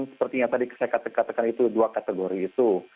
sepertinya tadi saya katakan itu dua kategori itu